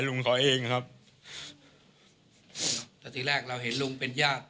คือคือคือคือคือ